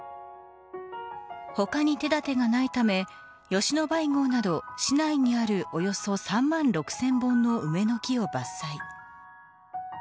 他に手立てがないため吉野梅郷など市内にあるおよそ３万６０００本の梅の木を伐採。